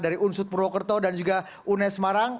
dari unsud purwokerto dan juga unes marang